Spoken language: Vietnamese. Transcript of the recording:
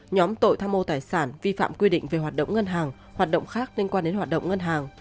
nhóm tội tham mô tài sản vi phạm quy định về hoạt động ngân hàng hoạt động khác liên quan đến hoạt động ngân hàng